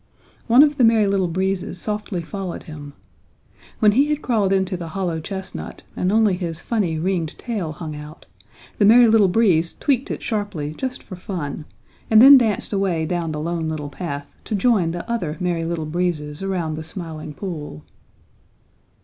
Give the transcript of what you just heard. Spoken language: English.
One of the Merry Little Breezes softly followed him. When he had crawled into the hollow chestnut and only his funny, ringed tail hung out, the Merry Little Breezes tweaked it sharply just for fun, and then danced away down the Lone Little Path to join the other Merry Little Breezes around the Smiling Pool.